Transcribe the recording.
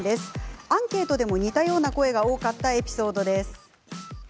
アンケートでも似たような声が多かったエピソードです。